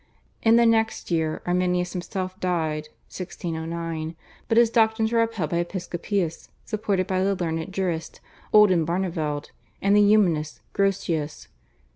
In the next year Arminius himself died (1609), but his doctrines were upheld by Episcopius supported by the learned jurist, Oldenbarneveld, and the Humanist, Grotius.